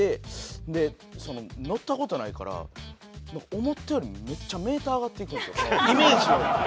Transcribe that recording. で乗った事ないから思ったよりもめっちゃメーター上がっていくんですよイメージより。